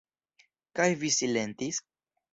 Kaj vi silentis?